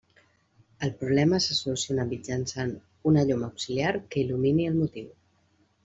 El problema se soluciona mitjançant una llum auxiliar que il·lumini el motiu.